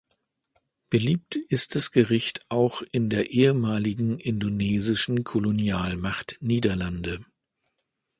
Beliebt ist das Gericht auch in der ehemaligen indonesischen Kolonialmacht Niederlande.